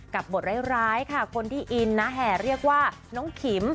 กับบทรายคนที่อินนะคะเรียกว่าน้องขิม